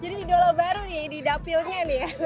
jadi di dolo baru nih di dapilnya nih